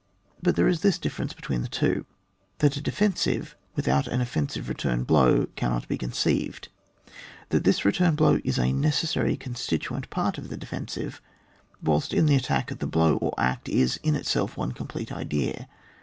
But there is this difference between the two, that a defen sive, without an offensive return blow, cannot be conceived; that this return blow is a necessary constituent part of the defensive, whilst in the attack, the blow or act is in itself one complete idea.